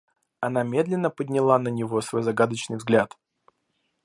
Она медленно подняла на него свой загадочный взгляд.